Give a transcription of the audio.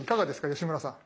吉村さん。